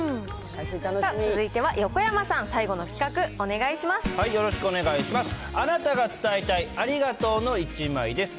続いては横山さん、よろしくお願いします。